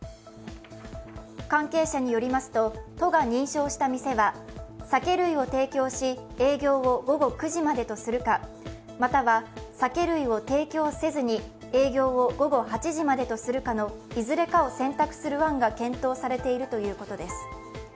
関係者によりますと、都が認証した店は酒類を提供し、営業を９時までとするか、または酒類を提供せずに営業を午後８時までとするかのいずれかを選択する案が検討されているということです。